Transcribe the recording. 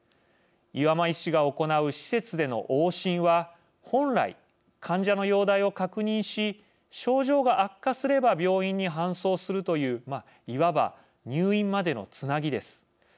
岩間医師が行う施設での往診は本来、患者の容体を確認し症状が悪化すれば病院に搬送するといういわば、入院までのつなぎです。